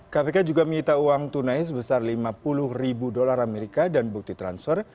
kpk juga menyita uang tunai sebesar lima puluh ribu dolar amerika dan bukti transfer